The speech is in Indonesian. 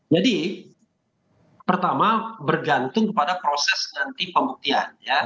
jadi pertama bergantung pada proses nanti pemuktian ya